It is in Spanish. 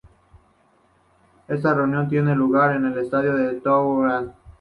Esta reunión tiene lugar en el estadio de Thouars.